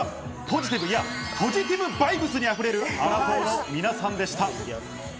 ポジティブ、いやポジティブバイブスに溢れるアラフォーの皆さんでした。